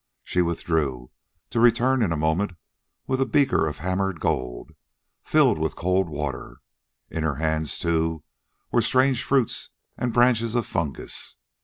She withdrew, to return in a moment with a beaker of hammered gold, filled with cold water. In her hands, too, were strange fruits and branches of fungus.